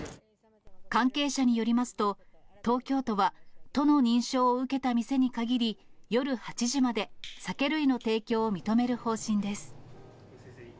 関係者によりますと、東京都は都の認証を受けた店に限り、夜８時まで、酒類の提供を認める方針です。